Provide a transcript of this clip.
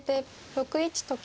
６一と金。